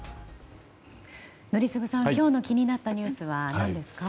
宜嗣さん、今日の気になったニュースは何ですか。